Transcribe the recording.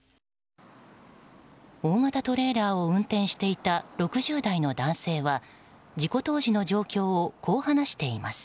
大型トレーラーを運転していた６０代の男性は事故当時の状況をこう話しています。